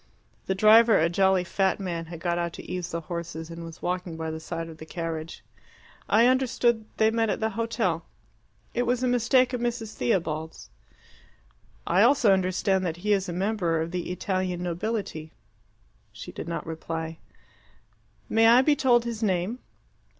The driver, a jolly fat man, had got out to ease the horses, and was walking by the side of the carriage. "I understood they met at the hotel." "It was a mistake of Mrs. Theobald's." "I also understand that he is a member of the Italian nobility." She did not reply. "May I be told his name?"